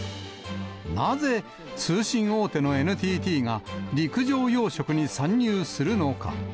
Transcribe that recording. なぜ、通信大手のＮＴＴが、陸上養殖に参入するのか。